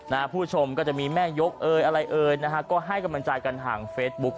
ผู้ชมก็จะมีแม่ยกเอยอะไรเอ่ยนะฮะก็ให้กำลังใจกันห่างเฟซบุ๊ค